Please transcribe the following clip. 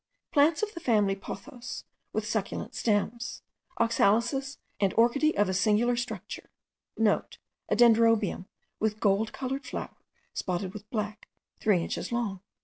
Plants of the family of pothos, with succulent stems, oxalises, and orchideae of a singular structure,* (* A dendrobium, with a gold coloured flower, spotted with black, three inches long.)